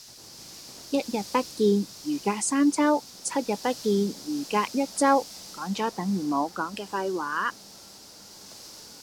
一日不見如隔三秋，七日不見如隔一周，講咗等如冇講嘅廢話